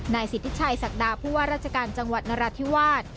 สิทธิชัยศักดาผู้ว่าราชการจังหวัดนราธิวาส